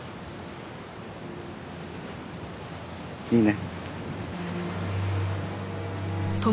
いいね？